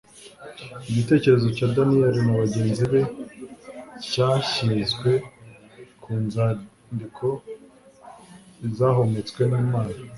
igitekerezo cya daniyeli na bagenzi be cyashyizwe mu nzandiko zahumetswe n'imana